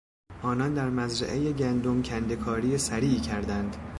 آنان در مزرعهی گندم کنده کاری سریعی کردند.